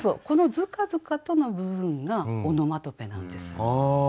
この「づかづかと」の部分がオノマトペなんです。